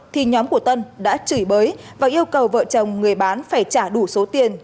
thì nhóm của tân đã chửi bới và yêu cầu vợ chồng người bán phải trả đủ số tiền